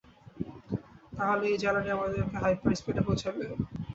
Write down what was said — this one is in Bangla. তাহলে, এই জ্বালানিই আমাদেরকে হাইপার-স্পিডে পৌঁছাবে?